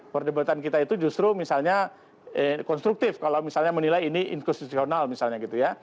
perdebatan kita itu justru misalnya konstruktif kalau misalnya menilai ini inkonstitusional misalnya gitu ya